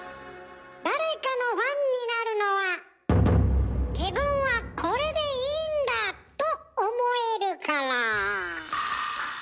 誰かのファンになるのは「自分はこれでいいんだ！」と思えるから。